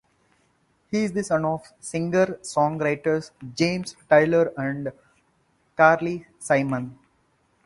He is the son of singer-songwriters James Taylor and Carly Simon.